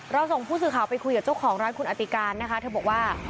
ส่งผู้สื่อข่าวไปคุยกับเจ้าของร้านคุณอติการนะคะเธอบอกว่า